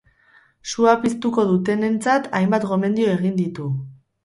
Sua piztuko dutenentzat hainbat gomendio egin ditu.